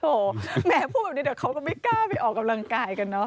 โถแม้พูดแบบนี้เดี๋ยวเขาก็ไม่กล้าไปออกกำลังกายกัน